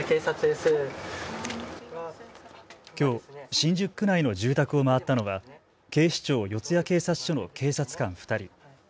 きょう新宿区内の住宅を回ったのは警視庁四谷警察署の警察官２人。